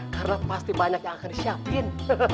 karena pasti banyak yang akan disiapin